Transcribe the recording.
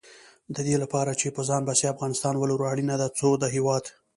د دې لپاره چې په ځان بسیا افغانستان ولرو، اړینه ده څو د هېواد